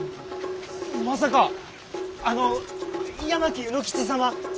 まさかあの八巻卯之吉様？